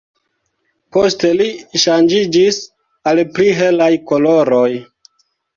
Poste li ŝanĝiĝis al pli helaj koloroj.